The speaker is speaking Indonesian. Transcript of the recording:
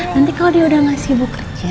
nanti kalau dia udah gak sibuk kerja